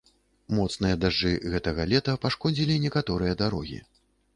Моцныя дажджы гэтага лета пашкодзілі некаторыя дарогі.